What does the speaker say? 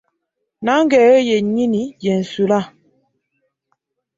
Nange eyo yennyini gye nsula.